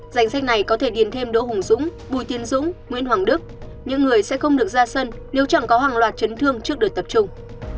danh sách này có thể điền thêm đỗ hùng dũng bùi tiên dũng nguyễn hoàng đức những người sẽ không được ra sân nếu chẳng có hàng loạt chấn thương trước đợt tập trung